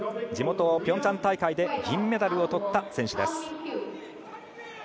地元ピョンチャン大会で銀メダルをとった選手です。